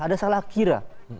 ada salah kira